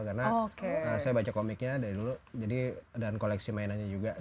karena saya baca komiknya dari dulu jadi dan koleksi mainannya juga